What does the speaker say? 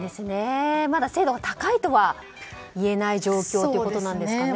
まだ精度が高いとはいえない状況ということなんですかね。